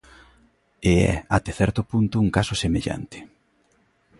E é até certo punto un caso semellante.